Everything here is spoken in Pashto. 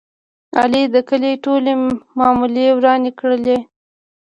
علي د کلي ټولې معاملې ورانې کړلې.